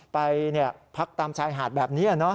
ไปพักตามชายหาดแบบนี้